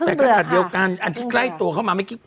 แต่กระดับเดียวกันอันที่ใกล้ตัวเข้ามาไม่คิด